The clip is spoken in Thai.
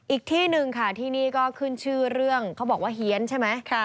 อีกที่หนึ่งค่ะที่นี่ก็ขึ้นชื่อเรื่องเขาบอกว่าเฮียนใช่ไหม